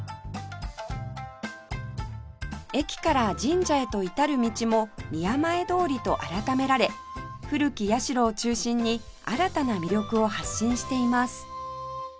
駅から神社へと至る道も「宮前通り」と改められ古き社を中心に新たな魅力を発信しています